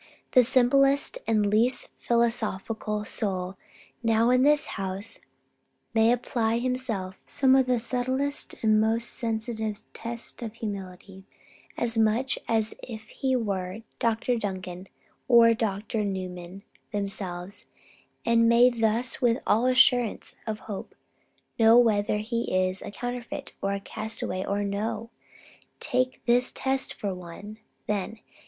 The simplest and the least philosophical soul now in this house may apply to himself some of the subtlest and most sensitive tests of humility, as much as if he were Dr. Duncan or Dr. Newman themselves; and may thus with all assurance of hope know whether he is a counterfeit and a castaway or no. Take this test for one, then.